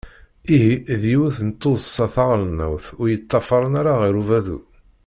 Ihi, d yiwet n tuddsa taɣelnawt ur yeṭṭafaren ara ɣer udabu.